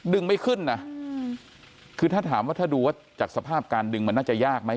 ไม่ขึ้นนะคือถ้าถามว่าถ้าดูว่าจากสภาพการดึงมันน่าจะยากไหม